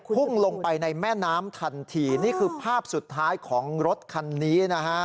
พุ่งลงไปในแม่น้ำทันทีนี่คือภาพสุดท้ายของรถคันนี้นะฮะ